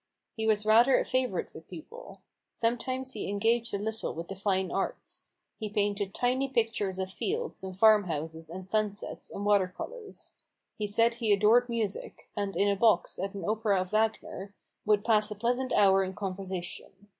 He was rather a favourite with people. Some times he engaged a little with the fine arts. He painted tiny pictures of fields, and farm houses, and sunsets, in water colours. He said he adored music ; and in a box, at an opera of Wagner, would pass a pleasant hour in conversation.